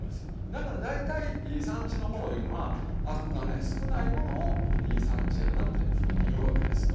だから大体いい産地のものいうのはアクがね少ないものをいい産地やなというふうに言うわけですよね。